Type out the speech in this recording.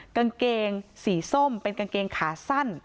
กางเกงสีส้มเป็นกางเกงขาสั้น